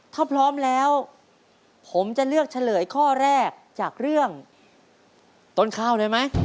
ถ้าพร้อมแล้วผมจะเลือกเฉลยข้อแรกจากเรื่องต้นข้าวได้ไหม